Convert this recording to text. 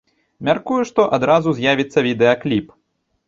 Мяркую, што адразу з'явіцца відэакліп.